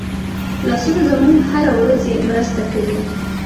لاسونه زموږ هره ورځي مرسته کوي